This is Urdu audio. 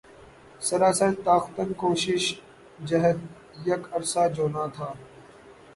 سراسر تاختن کو شش جہت یک عرصہ جولاں تھا